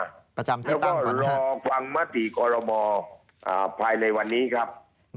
แล้วก็รอกวังมาถึงกรมอภัยในวันนี้ครับ